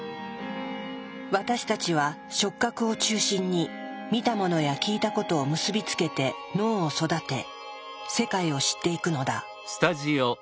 私たちは触覚を中心に見たものや聞いたことを結び付けて脳を育て世界を知っていくのだ。